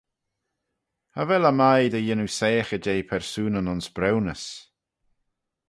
Cha vel eh mie dy yannoo soiaghey jeh persoonyn ayns briwnys.